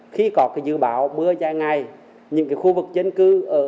khi có cái dự báo mưa dài ngày những cái khu vực dân cư ở